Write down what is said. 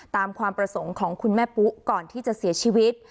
ความประสงค์ของคุณแม่ปุ๊ก่อนที่จะเสียชีวิต